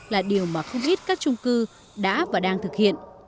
là điều mà không ít các trung cư đã và đang thực hiện